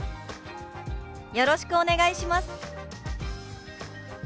「よろしくお願いします」。